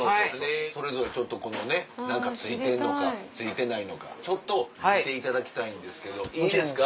それぞれちょっとこのね何か憑いてんのか憑いてないのかちょっと見ていただきたいんですけどいいですか？